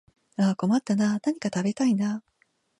ああ困ったなあ、何か食べたいなあ